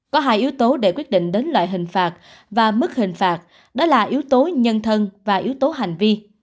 có hai yếu tố để quyết định đến loại hình phạt và mức hình phạt đó là yếu tố nhân thân và yếu tố hành vi